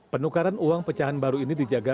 penukaran uang pecahan baru ini dijaga